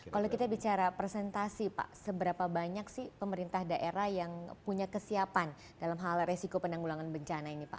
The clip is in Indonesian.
kalau kita bicara presentasi pak seberapa banyak sih pemerintah daerah yang punya kesiapan dalam hal resiko penanggulangan bencana ini pak